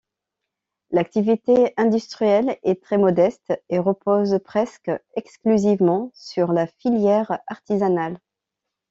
L'activité industrielle est très modeste et repose presque exclusivement sur la filière artisanale.